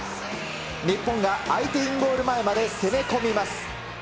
日本が相手インゴール前まで攻め込みます。